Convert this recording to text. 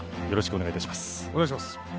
よろしくお願いします。